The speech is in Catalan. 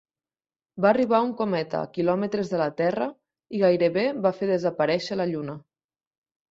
Va arribar un cometa a quilòmetres de la Terra i gairebé va fer desaparèixer la Lluna.